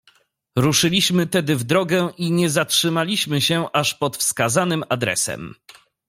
"Ruszyliśmy tedy w drogę i nie zatrzymaliśmy się, aż pod wskazanym adresem."